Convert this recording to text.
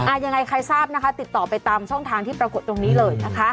ยังไงใครทราบนะคะติดต่อไปตามช่องทางที่ปรากฏตรงนี้เลยนะคะ